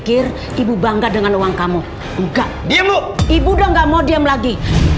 ibu udah gak mau diem lagi